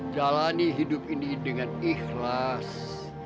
jalani hidup ini dengan ikhlas